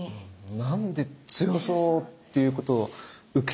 何で強そうっていうことを受け入れたんでしょうね？